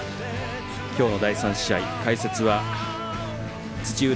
今日の第３試合、解説は土浦